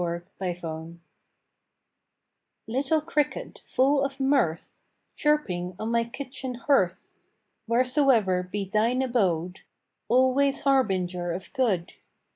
THE CRICKET Little cricket, full of mirth, Chirping on my kitchen hearth; Wheresoever be thine abode, Always harbinger of good.